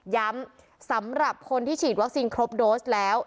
สำหรับคนที่ฉีดวัคซีนครบโดสแล้ว